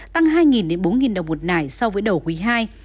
tăng hai đến bốn đồng một nải so với đầu quý ii